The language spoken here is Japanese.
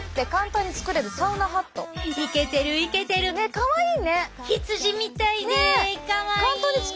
かわいい。